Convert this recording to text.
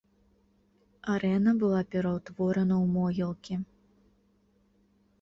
Арэна была пераўтворана ў могілкі.